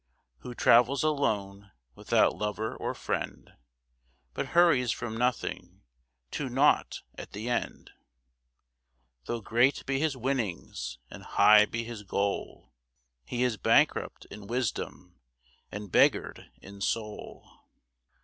Who travels alone without lover or friend But hurries from nothing, to naught at the end. Though great be his winnings and high be his goal, He is bankrupt in wisdom and beggared in soul.